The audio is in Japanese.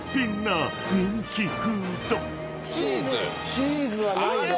チーズはないぞ。